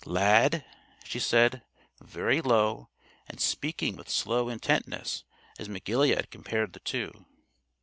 "Lad!" she said, very low, and speaking with slow intentness as McGilead compared the two.